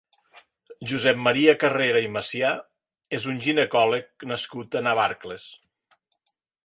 Josep Maria Carrera i Macià és un ginecòleg nascut a Navarcles.